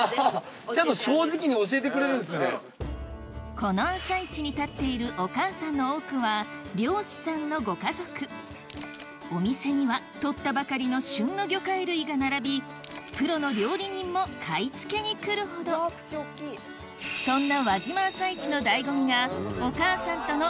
この朝市に立っているお母さんの多くは漁師さんのご家族お店には取ったばかりの旬の魚介類が並びプロの料理人も買い付けに来るほどそんなあっあった。